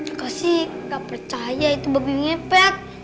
nggak sih nggak percaya itu babi ngepet